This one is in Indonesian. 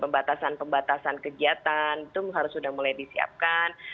pembalasan pembalasan kegiatan itu harus sudah mulai disiapkan